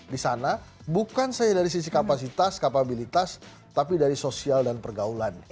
di sana bukan saja dari sisi kapasitas kapabilitas tapi dari sosial dan pergaulan